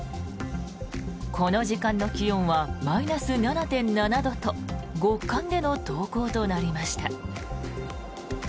この時間の気温はマイナス７．７度と極寒での登校となりました。